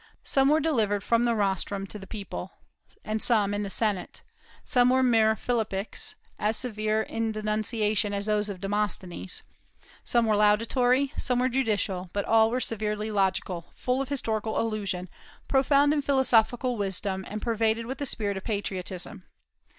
Some were delivered from the rostrum to the people, and some in the senate; some were mere philippics, as severe in denunciation as those of Demosthenes; some were laudatory; some were judicial; but all were severely logical, full of historical allusion, profound in philosophical wisdom, and pervaded with the spirit of patriotism.